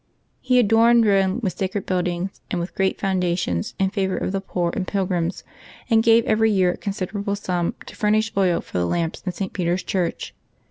He adorned Eome with sacred buildings, and with great foundations in favor of the poor and pilgrims, and gave every year a considerable sum to furnish oil for the lamps in St. Peter's Church.